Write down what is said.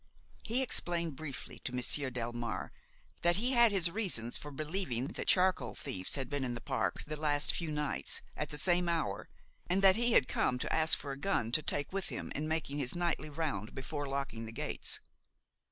He explained briefly to Monsieur Delmare that he had his reasons for believing that charcoal thieves had been in the park the last few nights at the same hour, and that he had come to ask for a gun to take with him in making his nightly round before locking the gates.